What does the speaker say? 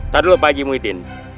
tadulah pak haji muhidin